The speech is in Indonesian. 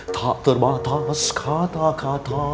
tak terbatas kata kata